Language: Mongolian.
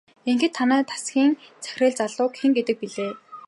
Ингэхэд танай тасгийн захирал залууг хэн гэдэг гэлээ дээ?